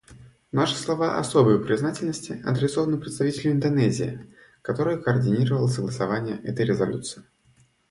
Наши слова особой признательности адресованы представителю Индонезии, который координировал согласование этой резолюции.